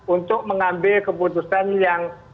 untuk mengambil keputusan yang